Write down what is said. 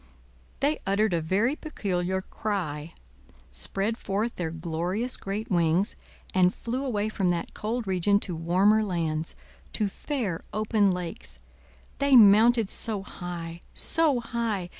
They uttered a very peculiar cry, spread forth their glorious great wings, and flew away from that cold region to warmer lands, to fair open lakes. They mounted so high, so high!